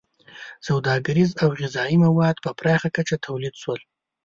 • سوداګریز او غذایي مواد په پراخه کچه تولید شول.